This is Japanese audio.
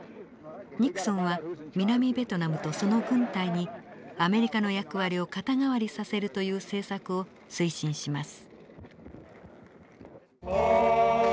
ニクソンは南ベトナムとその軍隊にアメリカの役割を肩代わりさせるという政策を推進します。